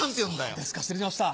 そうですか失礼しました。